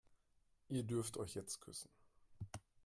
Ihr dürft euch jetzt küssen.